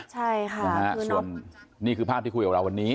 ใช่ค่ะนี่คือภาพที่คุยกับเราวันนี้